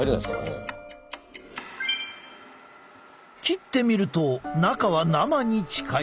切ってみると中は生に近い。